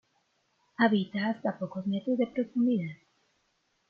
Habita hasta pocos metros de profundidad.